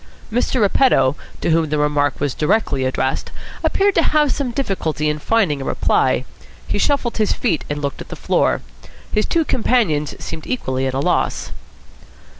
Mr. Repetto, to whom the remark was directly addressed, appeared to have some difficulty in finding a reply. He shuffled his feet, and looked at the floor. His two companions seemed equally at a loss.